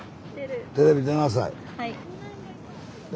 テレビ出なさい。